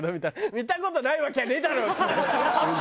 見た事ないわけはねえだろ！っていって。